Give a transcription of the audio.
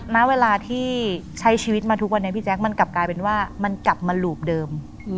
ณเวลาที่ใช้ชีวิตมาทุกวันนี้พี่แจ๊คมันกลับกลายเป็นว่ามันกลับมาหลูบเดิม